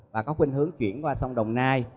và có khuyến hướng chuyển qua sông đồng nai